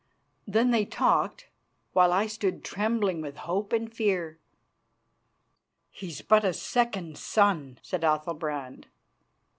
Then they talked, while I stood trembling with hope and fear. "He's but a second son," said Athalbrand.